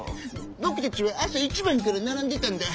ぼくたちはあさいちばんからならんでたんだ。